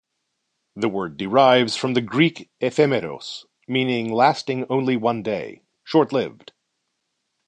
The word derives from the Greek "ephemeros", meaning "lasting only one day, short-lived".